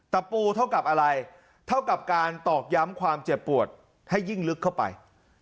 ตะปูเท่ากับอะไรเท่ากับการตอกย้ำความเจ็บปวดให้ยิ่งลึกเข้าไป